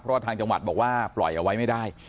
เพราะว่าทางจังหวัดบอกว่าปล่อยเอาไว้ไม่ได้